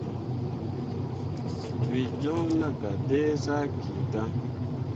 Wǝ joŋ nah gah dǝ zaki dan.